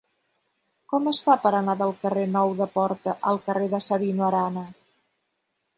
Com es fa per anar del carrer Nou de Porta al carrer de Sabino Arana?